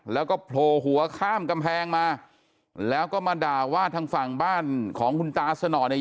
แล้วก็โผล่หัวข้ามกำแพงมาแล้วก็มาด่าว่าทางฝั่งบ้านของคุณตาสนอเนี่ย